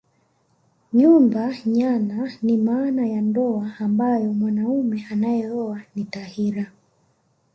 Nyumba nyana ni aina ya ndoa ambayo mwanaume anayeoa ni tahira